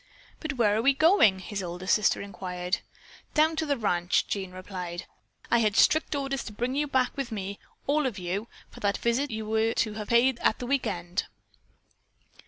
"But where are we going?" his older sister inquired. "Down to the ranch," Jean replied. "I had strict orders to bring you back with me, all of you, for that visit that you were to have paid at the weekend."